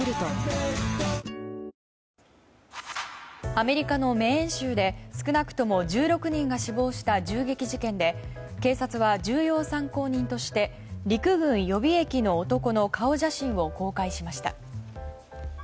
アメリカのメーン州で少なくとも１６人が死亡した銃撃事件で警察は重要参考人として陸軍予備役の男の顔写真を公開しました。